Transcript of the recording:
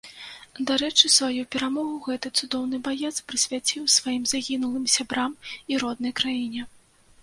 Дарэчы, сваю перамогу гэты цудоўны баец прысвяціў сваім загінулым сябрам і роднай краіне.